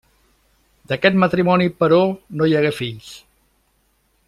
D'aquest matrimoni, però, no hi hagué fills.